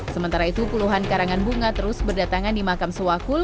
sementara itu puluhan karangan bunga terus berdatangan di makam suwakul